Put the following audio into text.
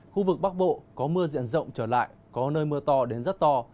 khu vực bắc bộ có mưa diện rộng trở lại có nơi mưa to đến rất to